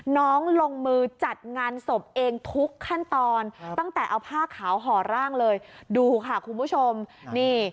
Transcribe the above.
ลงมือจัดงานศพเองทุกขั้นตอนตั้งแต่เอาผ้าขาวห่อร่างเลยดูค่ะคุณผู้ชมนี่